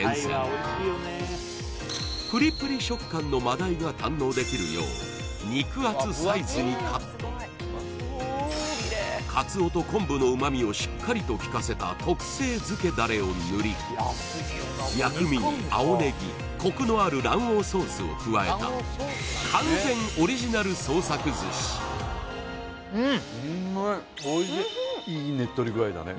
食感の真鯛が堪能できるよう肉厚サイズにカットカツオと昆布の旨味をしっかりときかせた特製漬けダレを塗り薬味に青ネギコクのある卵黄ソースを加えた完全オリジナルうん！